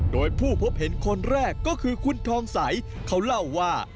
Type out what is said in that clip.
โดยผู้พบเห็นคนแรกก็คือคุณทองใสเขาเล่าว่า